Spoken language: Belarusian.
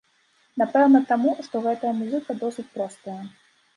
Напэўна, таму, што гэтая музыка досыць простая.